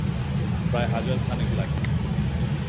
প্রায় হাজার খানেক লাগবে।